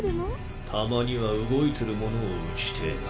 たまには動いてるものを撃ちてぇな。